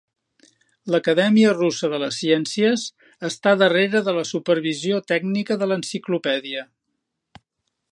L'Acadèmia Russa de les Ciències està darrere de la supervisió tècnica de l'enciclopèdia.